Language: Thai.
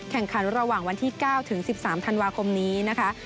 แข่งขันระหว่างวันที่๙ถึง๑๓ธันวาคมนี้นะคะ